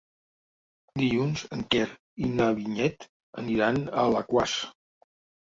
Dilluns en Quer i na Vinyet aniran a Alaquàs.